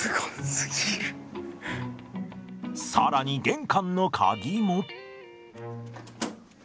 更に玄関の鍵も。